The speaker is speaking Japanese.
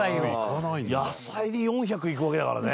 やさいで４００いくわけだからね。